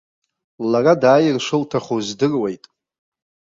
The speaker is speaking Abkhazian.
Лара дааир шылҭаху здыруеит.